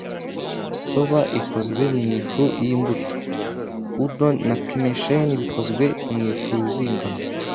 Soba ikozwe mu ifu yimbuto, udon na kishimen bikozwe mu ifu yuzuye ingano.